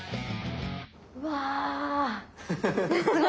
うわ！